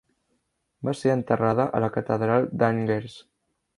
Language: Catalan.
Va ser enterrada a la Catedral d'Angers.